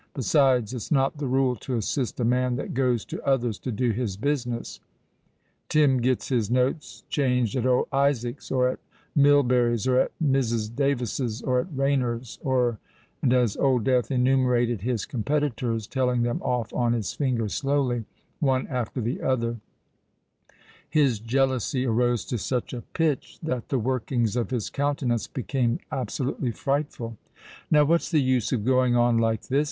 "Besides, it's not the rule to assist a man that goes to others to do his business. Tim gets his notes changed at old Isaacs—or at Milberry's—or at Mrs. Davis's—or at Rayner's—or——" And as Old Death enumerated his competitors, telling them off on his fingers slowly, one after the other, his jealousy arose to such a pitch that the workings of his countenance became absolutely frightful. "Now, what's the use of going on like this?"